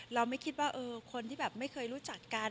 เราไม่คิดว่าคนที่แบบไม่เคยรู้จักกัน